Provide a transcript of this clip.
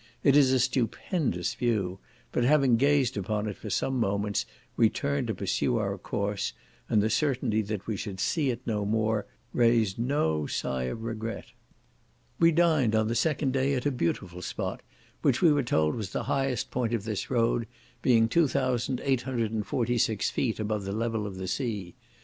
It is a stupendous view; but having gazed upon it for some moments, we turned to pursue our course, and the certainty that we should see it no more, raised no sigh of regret. We dined, on the second day, at a beautiful spot, which we were told was the highest point on the road, being 2,846 feet above the level of the sea.